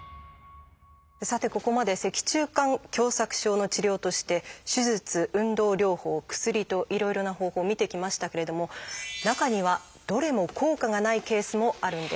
さてここまで脊柱管狭窄症の治療として手術運動療法薬といろいろな方法見てきましたけれども中にはどれも効果がないケースもあるんです。